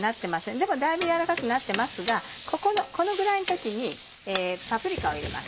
でもだいぶ軟らかくなってますがこのぐらいの時にパプリカを入れます。